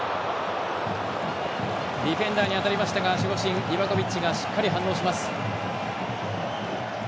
ディフェンダーに当たりましたが守護神リバコビッチがしっかり反応します。